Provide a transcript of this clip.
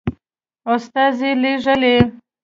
استازي لېږلي.